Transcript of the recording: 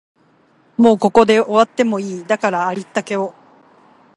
もうここで終わってもいい、だからありったけを